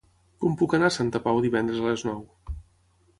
Com puc anar a Santa Pau divendres a les nou?